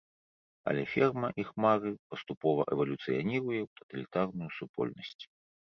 Але ферма іх мары паступова эвалюцыяніруе ў таталітарную супольнасць.